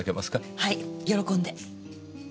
はい喜んで。